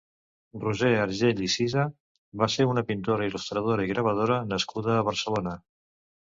Roser Agell i Cisa va ser una pintora, il·lustradora i gravadora nascuda a Barcelona.